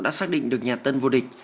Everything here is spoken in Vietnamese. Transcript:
đã xác định được nhà tân vô địch